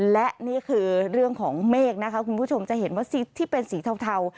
และนี่คือเรื่องของเมฆนะคะคุณผู้ชมจะเห็นว่าที่เป็นสีเทา